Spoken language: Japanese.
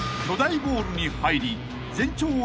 ［巨大ボールに入り全長